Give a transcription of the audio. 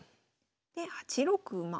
で８六馬。